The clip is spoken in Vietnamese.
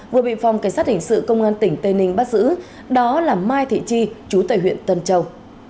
vừa bị phòng cảnh sát hình sự công an tỉnh tây ninh bắt giữ đó là mai thị chi chú tây huyện tân châu